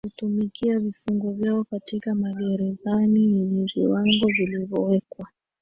kutumikia vifungo vyao katika magerezani yenye viwango vilivyowekwa